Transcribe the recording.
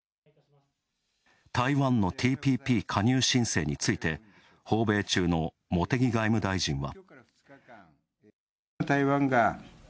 台湾のＴＰＰ加入申請について訪米中の茂木外務大臣は。